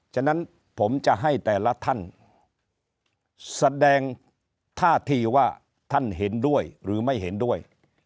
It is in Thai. ฉะนั้นผมจะให้แต่ละท่านแสดงท่าทีว่าท่านเห็นด้วยหรือไม่เห็นด้วย